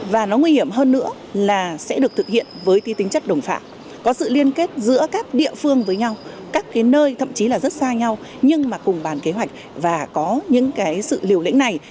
và nó nguy hiểm hơn nữa là sẽ được thực hiện với ti tính chất đồng phạm có sự liên kết giữa các địa phương với nhau các cái nơi thậm chí là rất xa nhau nhưng mà cùng bàn kế hoạch và có những cái sự liều lĩnh này